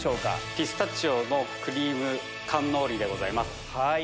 ピスタチオクリームのカンノーリでございます。